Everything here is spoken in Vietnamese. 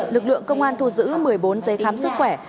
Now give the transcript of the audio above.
lực lượng công an thu giữ một mươi bốn giấy khám sức khỏe